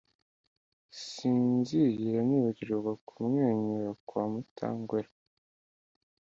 Sinzigera nibagirwa kumwenyura kwa Mutagwera.